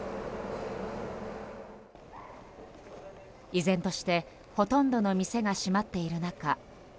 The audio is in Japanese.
依然としてほとんどの店が閉まっている中